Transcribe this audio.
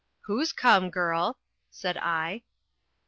"Who's come, girl?" said I.